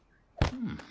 うん。